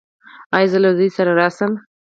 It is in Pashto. ایا زه له زوی سره راشم؟